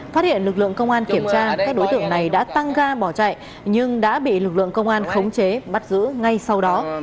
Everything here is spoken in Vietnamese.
phát hiện lực lượng công an kiểm tra các đối tượng này đã tăng ga bỏ chạy nhưng đã bị lực lượng công an khống chế bắt giữ ngay sau đó